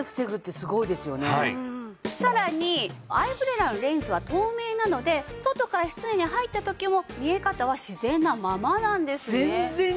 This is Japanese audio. さらにアイブレラのレンズは透明なので外から室内に入った時も見え方は自然なままなんですね。